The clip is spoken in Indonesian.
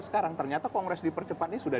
sekarang ternyata kongres dipercepat ini sudah